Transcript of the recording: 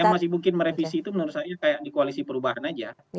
yang masih mungkin merevisi itu menurut saya kayak di koalisi perubahan aja